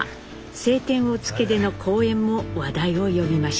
「青天を衝け」での好演も話題を呼びました。